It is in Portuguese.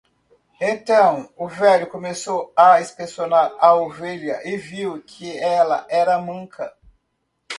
Então o velho começou a inspecionar a ovelha e viu que ela era manca.